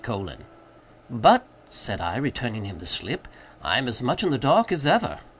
"But," said I, returning him the slip, "I am as much in the dark as ever.